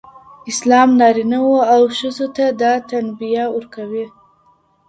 اسلام نارينه وو او ښځو ته دا تنبيه ورکوي.